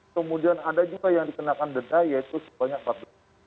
kemudian ada juga yang dikenakan denda yaitu sebanyak empat belas